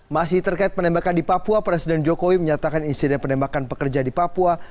masih terkait penembakan di papua presiden jokowi menyatakan insiden penembakan pekerja di papua